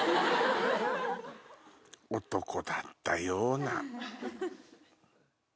男だったような。